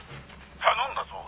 頼んだぞ。